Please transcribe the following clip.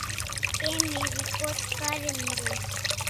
Emi Recard karin dai